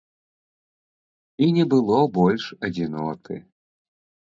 І не было больш адзіноты.